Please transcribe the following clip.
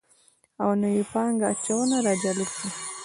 او نوې پانګه اچونه راجلب کړي